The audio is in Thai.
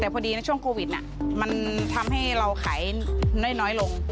แต่พอดีในช่วงโควิดมันทำให้เราขายได้น้อยลง